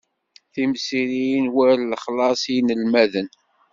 Timsirin war lexlaṣ i yinelmaden.